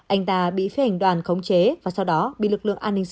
anh ta bị phía hành đoàn khống chế và sau đó bị lực lượng an ninh sân bay